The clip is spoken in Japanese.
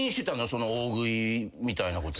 その大食いみたいなことは。